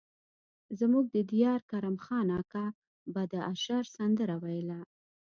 زموږ د ديار کرم خان اکا به د اشر سندره ويله.